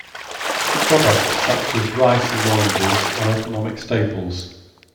Products such as rice and oranges are economic staples.